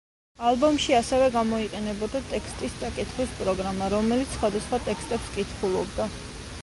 ალბომში ასევე გამოიყენებოდა ტექსტის წაკითხვის პროგრამა, რომელიც სხვადასხვა ტექსტებს კითხულობდა.